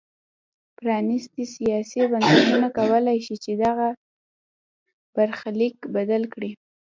پرانیستي سیاسي بنسټونه کولای شي چې دغه برخلیک بدل کړي.